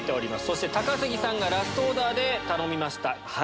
そして高杉さんがラストオーダーで頼みました。